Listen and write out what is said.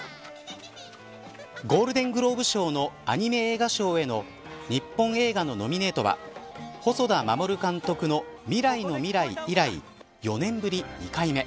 ゴールデン・グローブ賞のアニメ映画賞への日本映画のノミネートは細田守監督の未来のミライ以来４年ぶり２回目。